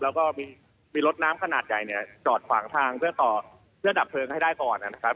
แล้วก็มีรถน้ำขนาดใหญ่เนี่ยจอดขวางทางเพื่อต่อเพื่อดับเพลิงให้ได้ก่อนนะครับ